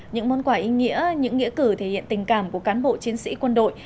những món quà ý nghĩa những nghĩa cử thể hiện tình cảm của cán bộ chiến sĩ quân đội